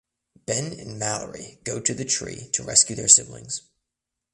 Ben and Mallory go to the tree to rescue their siblings.